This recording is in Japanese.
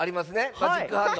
マジックハンド。